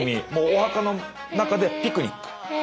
お墓の中でピクニック。